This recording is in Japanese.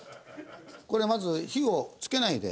これまず火をつけないで。